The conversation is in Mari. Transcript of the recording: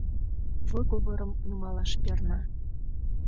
Выговорым нумалаш перна.